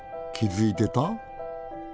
気付いてた？